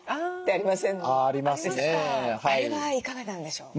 あれはいかがなんでしょう？